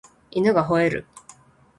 犬が吠える